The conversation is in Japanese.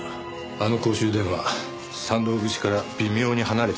あの公衆電話山道口から微妙に離れてたよな。